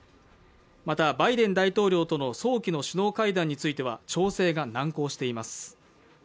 また、バイデン大統領との早期の首脳会談については調整が難航しています。